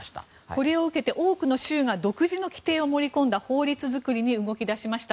これを受けて多くの州が独自の規定を盛り込んだ法律作りに動き出しました。